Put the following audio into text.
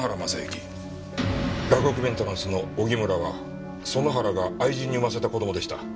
洛北メンテナンスの荻村は園原が愛人に生ませた子供でした。